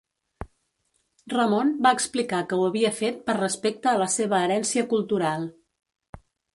Ramon va explicar que ho havia fet per respecte a la seva herència cultural.